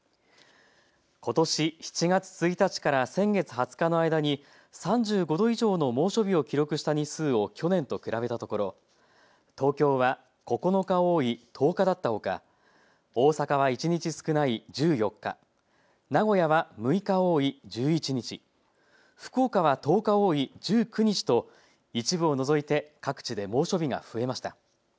ことし７月１日から先月２０日の間に３５度以上の猛暑日を記録した日数を去年と比べたところ、東京は９日多い１０日だったほか大阪は１日少ない１４日、名古屋は６日多い１１日、福岡は１０日多い１９日と一部を除いて各地で猛暑日が増えました。